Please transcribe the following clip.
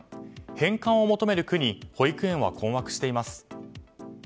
返還を求める区に保育園は困惑しています。